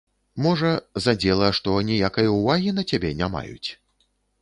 Можа, задзела, што ніякай увагі на цябе не маюць?